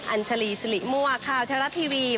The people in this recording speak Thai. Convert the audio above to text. อัญชลีสิริมวะข่าวเทศรัตน์ทีวี